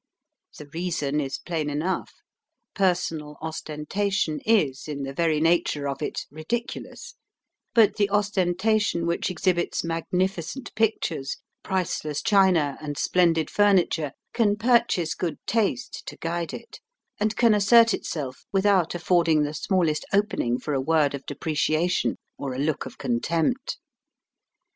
The reason is plain enough. Personal ostentation is, in the very nature of it, ridiculous; but the ostentation which exhibits magnificent pictures, priceless china, and splendid furniture, can purchase good taste to guide it, and can assert itself without affording the smallest opening for a word of depreciation or a look of contempt.